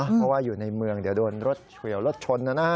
เพราะว่าอยู่ในเมืองเดี๋ยวโดนรถเฉียวรถชนนะฮะ